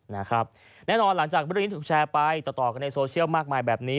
แน่นอนหลังจากเรื่องนี้ถูกแชร์ไปต่อกันในโซเชียลมากมายแบบนี้